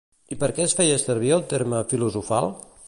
I per què es feia servir el terme “filosofal”?